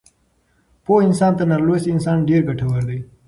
پوه انسان تر نالوستي انسان ډېر ګټور دی.